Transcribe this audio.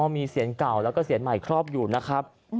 มีเสียงเก่าแล้วก็เสียนใหม่ครอบอยู่นะครับ